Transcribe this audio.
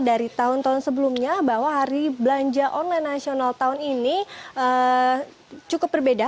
dari tahun tahun sebelumnya bahwa hari belanja online nasional tahun ini cukup berbeda